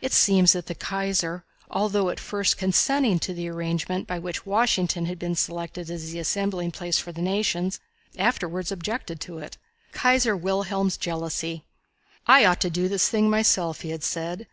It seems that the Kaiser, although at first consenting to the arrangement by which Washington had been selected as the assembling place for the nations, afterwards objected to it. Kaiser Wilhelm's Jealousy. "I ought to do this thing myself," he had said.